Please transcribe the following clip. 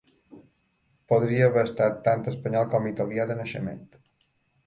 Podria haver estat tant Espanyol com Italià de naixement.